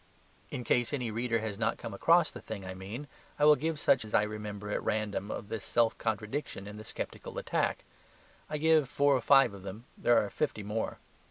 In case any reader has not come across the thing I mean, I will give such instances as I remember at random of this self contradiction in the sceptical attack. I give four or five of them; there are fifty more.